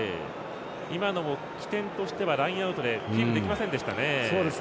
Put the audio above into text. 今のも、起点としてはラインアウトでキープできませんでしたね。